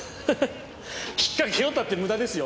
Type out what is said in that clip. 引っかけようったって無駄ですよ。